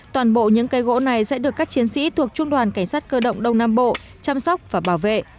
toàn bộ những cây gỗ này sẽ được các chiến sĩ thuộc trung đoàn cảnh sát cơ động đông nam bộ chăm sóc và bảo vệ